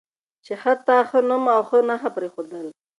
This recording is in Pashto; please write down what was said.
چې حتی ښه نوم او ښه نښه پرېښودل